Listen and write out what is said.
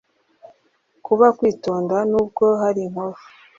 kuba witonda nubwo hari inkovu